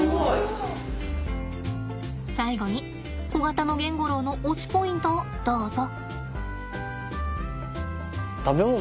最後にコガタノゲンゴロウの推しポイントをどうぞ！